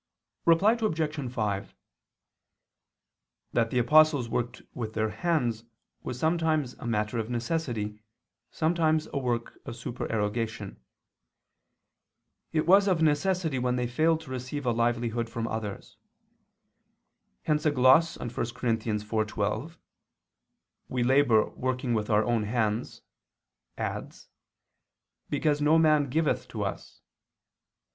Reply Obj. 5: That the apostles worked with their hands was sometimes a matter of necessity, sometimes a work of supererogation. It was of necessity when they failed to receive a livelihood from others. Hence a gloss on 1 Cor. 4:12, "We labor, working with our own hands," adds, "because no man giveth to us."